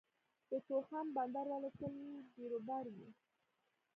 د تورخم بندر ولې تل بیروبار وي؟